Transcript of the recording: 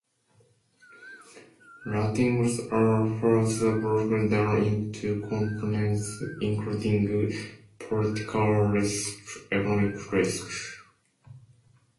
Ratings are further broken down into components including political risk, economic risk.